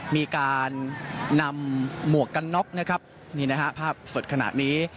มีการนำหมวกกันน็อกนะครับนี่นะฮะภาพสดขนาดนี้